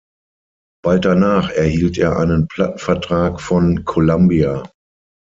Bald danach erhielt er einen Plattenvertrag von Columbia.